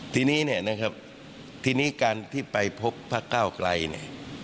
ทีนี้เนี่ยนะครับทีนี้การที่ไปพบพระเก้าไกลเนี่ย